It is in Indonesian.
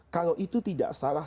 kalau itu tidak salah